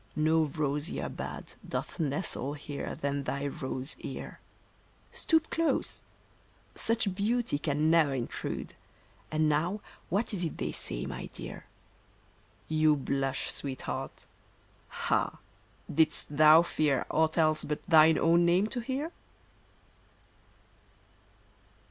No rosier bud Doth nestle here than thy rose ear. Stoop close ! Such beauty can ne'er intrude. And now what is it they say, my dear ? You blush, Sweet heart. Ah ! did'st thou fear Aught else but thine own name to hear